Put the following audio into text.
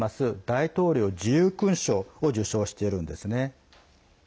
大統領自由勲章を受章しているんですね。